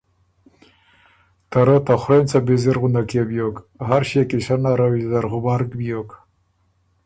ته رۀ ته خورېنڅه بیزِر غندک يې بیوک، هر ݭيې قیصۀ نر ویزر غبرګ بیوک۔